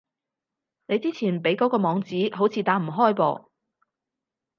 你之前畀嗰個網址，好似打唔開噃